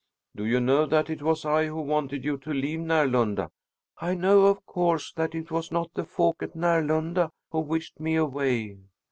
"Do you know that it was I who wanted you to leave Närlunda?" "I know, of course, that it was not the folk at Närlunda who wished me away."